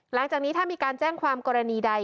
หลังจากนี้ถ้ามีการแจ้งความกรณีใด